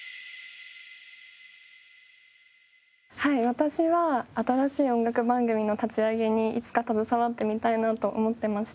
私は新しい音楽番組の立ち上げにいつか携わってみたいなと思っていまして。